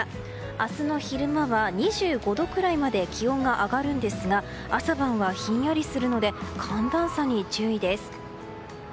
明日の昼間は２５度くらいまで気温が上がるんですが朝晩はひんやりするので寒暖差に注意です。